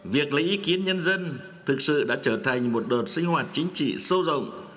việc lấy ý kiến nhân dân thực sự đã trở thành một đợt sinh hoạt chính trị sâu rộng